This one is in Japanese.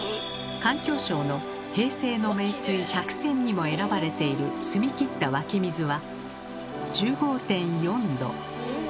環境省の「平成の名水百選」にも選ばれている澄み切った湧き水は１５．４℃。